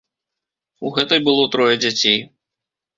У гэтай было трое дзяцей.